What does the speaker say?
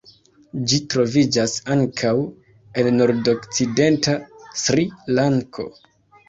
Ĝi troviĝas ankaŭ en nordokcidenta Sri-Lanko.